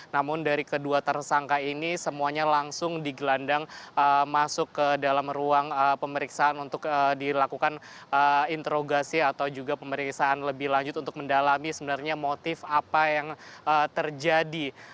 namun dari kedua tersangka ini semuanya langsung digelandang masuk ke dalam ruang pemeriksaan untuk dilakukan interogasi atau juga pemeriksaan lebih lanjut untuk mendalami sebenarnya motif apa yang terjadi